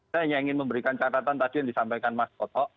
saya hanya ingin memberikan catatan tadi yang disampaikan mas toto